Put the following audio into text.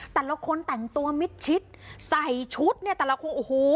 แต่ละคนแต่งตัวมิดชิดใส่ชุดเนี่ยแต่ละคนโอ้โห